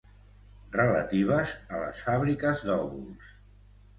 Relatives a les fàbriques d'òvuls.